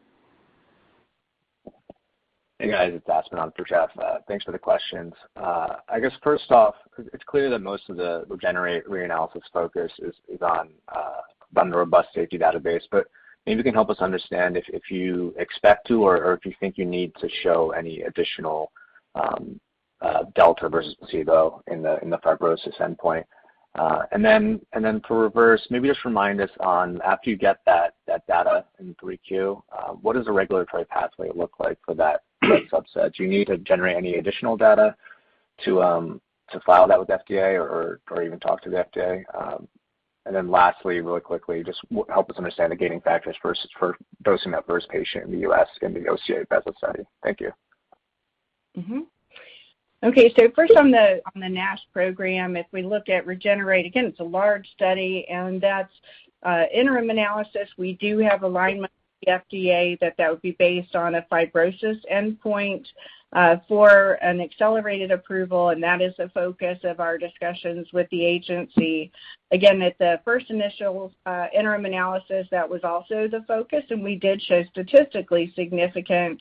Hey, guys, it's Aspen on for Geoff. Thanks for the questions. I guess first off, it's clear that most of the REGENERATE reanalysis focus is on the robust safety database, but maybe you can help us understand if you expect to or if you think you need to show any additional delta versus placebo in the fibrosis endpoint. Then for REVERSE, maybe just remind us, after you get that data in 3Q, what does the regulatory pathway look like for that subset. Do you need to generate any additional data to file that with FDA or even talk to the FDA? Lastly, really quickly, just help us understand what are the gating factors for dosing that first patient in the U.S. in the OCA-bezafibrate study. Thank you. Okay. First on the NASH program, if we look at REGENERATE, again, it's a large study, and that's interim analysis. We do have alignment with the FDA that that would be based on a fibrosis endpoint for an accelerated approval, and that is the focus of our discussions with the agency. Again, at the first initial interim analysis, that was also the focus, and we did show statistically significant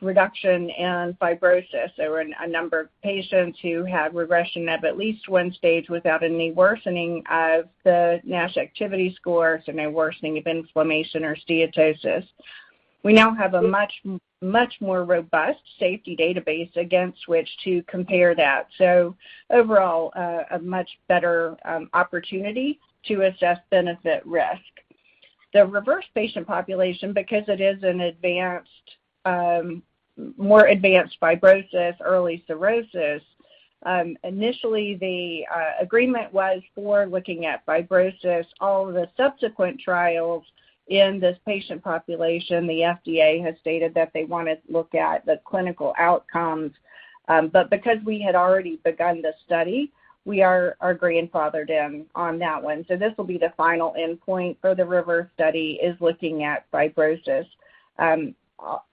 reduction in fibrosis. There were a number of patients who had regression of at least one stage without any worsening of the NASH activity score, so no worsening of inflammation or steatosis. We now have a much more robust safety database against which to compare that. Overall, a much better opportunity to assess benefit risk. The REVERSE patient population because it is an advanced, more advanced fibrosis, early cirrhosis, initially the agreement was for looking at fibrosis. All the subsequent trials in this patient population, the FDA has stated that they wanna look at the clinical outcomes. Because we had already begun the study, we are grandfathered in on that one. This will be the final endpoint for the REVERSE study is looking at fibrosis.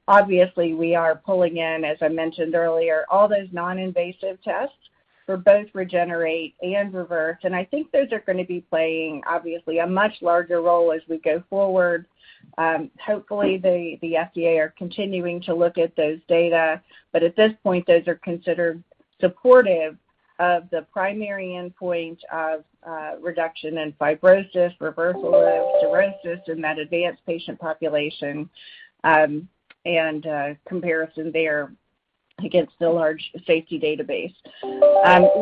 Obviously, we are pulling in, as I mentioned earlier, all those non-invasive tests for both REGENERATE and REVERSE, and I think those are gonna be playing obviously a much larger role as we go forward. Hopefully the FDA are continuing to look at those data, but at this point, those are considered supportive of the primary endpoint of reduction in fibrosis, reversal of cirrhosis in that advanced patient population, and comparison there against the large safety database.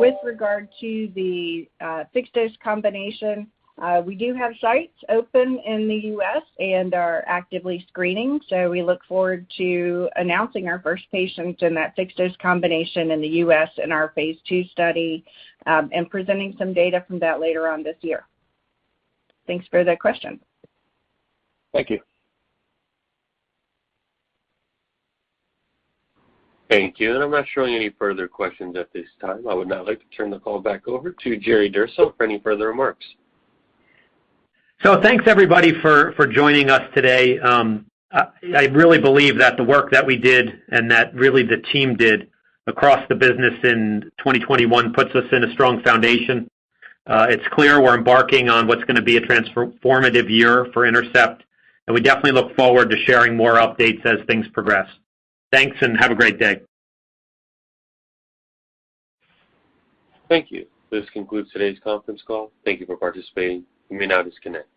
With regard to the fixed-dose combination, we do have sites open in the U.S. and are actively screening, so we look forward to announcing our first patient in that fixed-dose combination in the U.S. in our phase II study, and presenting some data from that later on this year. Thanks for the question. Thank you. Thank you. I'm not showing any further questions at this time. I would now like to turn the call back over to Jerry Durso for any further remarks. Thanks everybody for joining us today. I really believe that the work that we did and that really the team did across the business in 2021 puts us on a strong foundation. It's clear we're embarking on what's gonna be a transformative year for Intercept, and we definitely look forward to sharing more updates as things progress. Thanks, and have a great day. Thank you. This concludes today's conference call. Thank you for participating. You may now disconnect.